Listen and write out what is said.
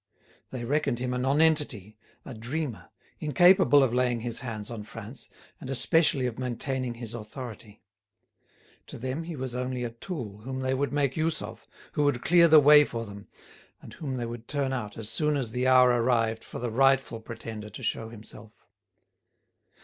They reckoned him a nonentity, a dreamer, incapable of laying his hands on France, and especially of maintaining his authority. To them he was only a tool whom they would make use of, who would clear the way for them, and whom they would turn out as soon as the hour arrived for the rightful Pretender to show himself.